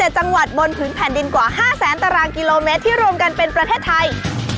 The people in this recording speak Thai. ๗จังหวัดบนผืนแผ่นดินกว่า๕แสนตารางกิโลเมตรที่รวมกันเป็นประเทศไทย